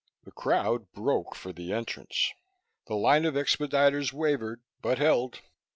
The crowd broke for the entrance. The line of expediters wavered but held.